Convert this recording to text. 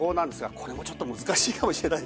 これもちょっと難しいかもしれません。